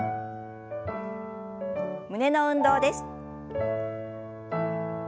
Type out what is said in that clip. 胸の運動です。